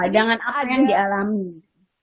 dengan apa yang dialami